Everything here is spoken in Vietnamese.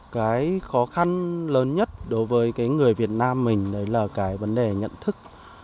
cái khó khăn lớn nhất đối với người việt nam mình là cái vấn đề nhận thức